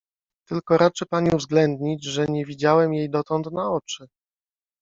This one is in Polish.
— Tylko raczy pani uwzględnić, że nie widziałem jej dotąd na oczy.